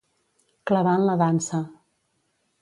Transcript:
Clavar en la dansa.